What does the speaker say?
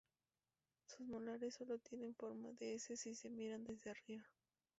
Sus molares son tienen forma de S si se miran desde arriba.